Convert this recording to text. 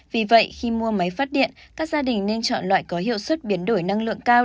vì vậy khi mua máy phát điện các gia đình nên chọn loại có hiệu suất biến đổi năng lượng cao